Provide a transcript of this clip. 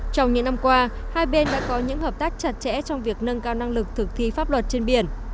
trong những năm qua hai bên đã có những hợp tác chặt chẽ trong việc nâng cao năng lực thực thi pháp luật trên biển